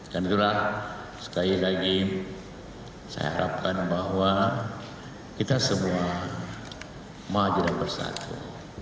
dan itulah sekali lagi saya harapkan bahwa kita semua mahajur dan bersatu